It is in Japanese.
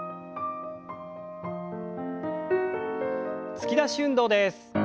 突き出し運動です。